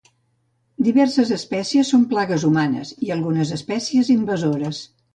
Diverses espècies són plagues humanes i algunes espècies invasores.